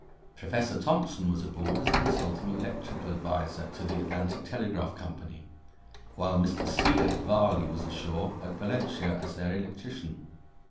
Professor Thomson was aboard as consulting electrical adviser to the Atlantic Telegraph Company, while Mr. C. F. Varley was ashore at Valentia as their electrician.